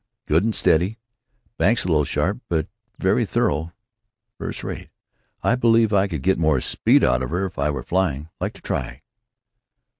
Good and steady. Banks a little sharp, but very thorough. Firs' rate. I believe I could get more speed out of her if I were flying. Like to try."